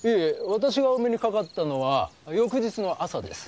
私がお目にかかったのは翌日の朝です。